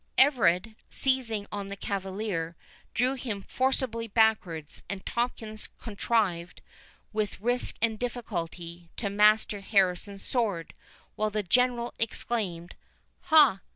Everard, seizing on the cavalier, drew him forcibly backwards, and Tomkins contrived, with risk and difficulty, to master Harrison's sword, while the General exclaimed, "Ha!